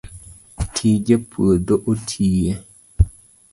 tije puodho otiye